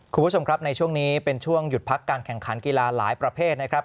คุณผู้ชมครับในช่วงนี้เป็นช่วงหยุดพักการแข่งขันกีฬาหลายประเภทนะครับ